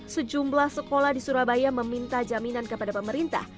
sejumlah sekolah di surabaya meminta jaminan kepada pemerintah